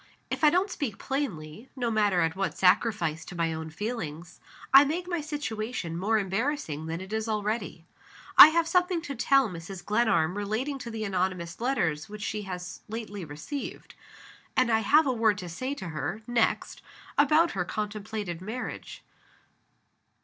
If I don't speak plainly (no matter at what sacrifice to my own feelings), I make my situation more embarrassing than it is already. I have something to tell Mrs. Glenarm relating to the anonymous letters which she has lately received. And I have a word to say to her, next, about her contemplated marriage.